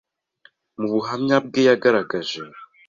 mu buhamya bwe yagaragaje